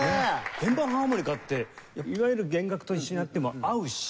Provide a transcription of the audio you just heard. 鍵盤ハーモニカっていわゆる弦楽と一緒にやっても合うし。